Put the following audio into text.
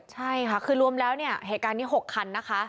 ใช่ค่ะคือรวมแล้วเนี่ยเหตุการณ์นี้๖คันนะคะ